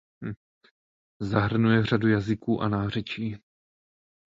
Zahrnuje řadu jazyků a nářečí.